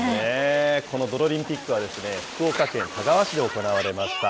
このどろリンピックはですね、福岡県田川市で行われました。